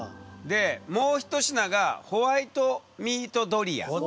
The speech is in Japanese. でもう一品がホワイトミートドリア。